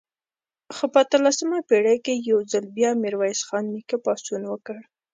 خو په اتلسمه پېړۍ کې یو ځل بیا میرویس خان نیکه پاڅون وکړ.